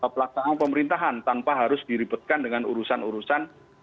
pelaksanaan pemerintahan tanpa harus diribetkan dengan urusan urusan